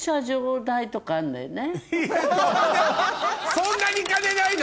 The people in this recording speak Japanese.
そんなに金ないの？